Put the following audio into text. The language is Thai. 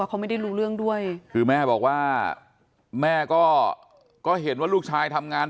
เขาไม่ได้รู้เรื่องด้วยคือแม่บอกว่าแม่ก็เห็นว่าลูกชายทำงาน